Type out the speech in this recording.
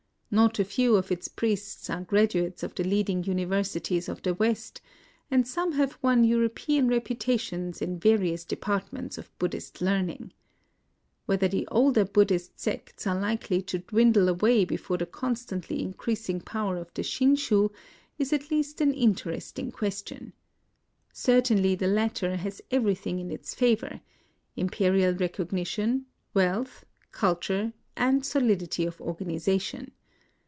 Not a few of its priests are graduates of the leading universi ties of the West ; and some have won Euro pean reputations in various departments of Buddhist learning. Whether the older Bud dhist sects are likely to dwindle away before the constantly increasing power of the Shin shu is at least an interesting question. Cer tainly the latter has everything in its favor^ IN OSAKA 165 — imperial recognition, wealth, culture, and solidity of organization.